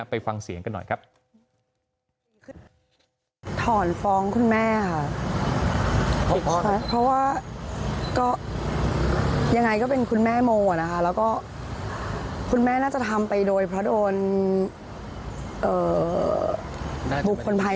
ไปฟังเสียงกันหน่อยครับ